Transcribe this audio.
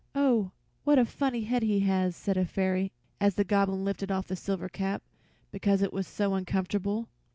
"Oh, what a funny head he has!" said a fairy as the Goblin lifted off the silver cap, because it was so uncomfortable.